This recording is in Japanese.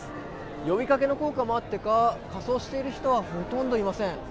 呼びかけの効果もあってか仮装している人はほとんどいません。